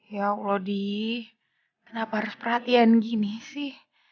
ya allah di kenapa harus perhatian gini sih